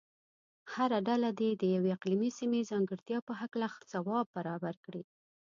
هره ډله دې د یوې اقلیمي سیمې ځانګړتیا په هلکه ځواب برابر کړي.